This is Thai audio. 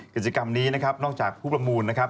กิจกรรมนี้นะครับนอกจากผู้ประมูลนะครับ